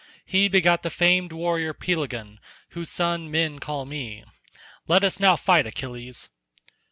He begot the famed warrior Pelegon, whose son men call me. Let us now fight, Achilles."